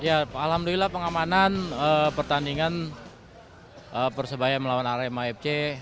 ya alhamdulillah pengamanan pertandingan persebaya melawan arema fc